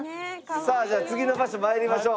さあじゃあ次の場所参りましょう。